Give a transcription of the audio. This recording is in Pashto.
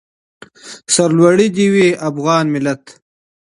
سرلوړی دې وي افغان ملت.